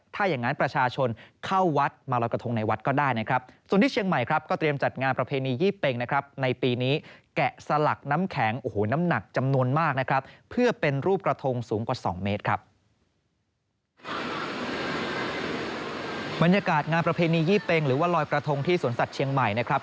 อย่างงั้นงานประเพณียี่เป็งหรือว่าลอยกระทงที่สวนสัตว์เชียงใหม่นะครับ